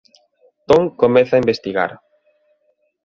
Tom comeza a investigar.